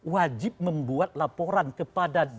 wajib membuat laporan kepada